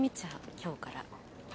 今日から。